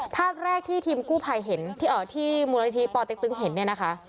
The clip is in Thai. ภาพแรกที่ทีมกู้ภัยเห็นที่มูลนิธิปอเต็กตึ๊กเห็นเนี่ยนะคะ